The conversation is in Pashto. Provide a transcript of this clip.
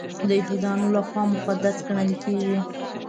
د یهودانو لخوا مقدس ګڼل کیږي.